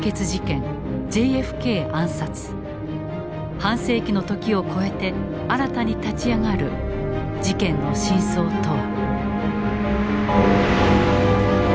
半世紀の時をこえて新たに立ち上がる事件の真相とは。